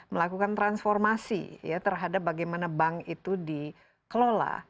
melakukan transformasi terhadap bagaimana bank itu dikelola